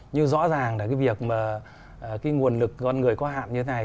nhưng rõ ràng là cái việc mà cái nguồn lực con người có hạn như thế này